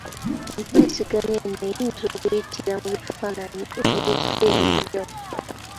Empuiziganya eno eyinza okuyitira mu bifaananyi eby'ebika eby'enjawulo.